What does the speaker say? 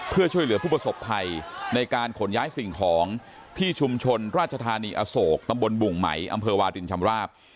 เพื่อช่วยเหลือผู้ประสบภัยในการขนย้ายสิ่งของที่ชุมชนราชธานีอโศกตำบลบุ่งไหมอำเภอวารินชำราบ